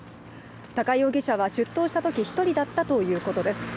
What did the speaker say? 高井容疑者は出頭したとき１人だったということです。